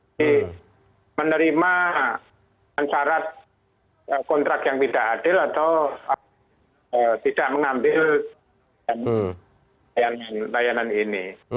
jadi menerima syarat kontrak yang tidak adil atau tidak mengambil layanan ini